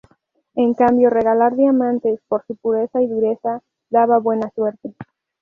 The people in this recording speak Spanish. En cambio regalar diamantes, por su pureza y dureza, daba buena suerte.